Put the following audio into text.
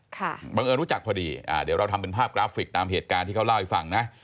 บังเอิญรู้จักพอดีอ่าเดี๋ยวเราทำเป็นภาพกราฟิกตามเหตุการณ์ที่เขาเล่าให้ฟังนะ